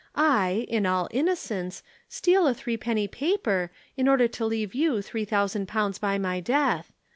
I, in all innocence, steal a threepenny paper, in order to leave you three thousand pounds by my death.